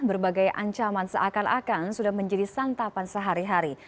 berbagai ancaman seakan akan sudah menjadi santapan sehari hari